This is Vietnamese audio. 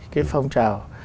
cái phong trào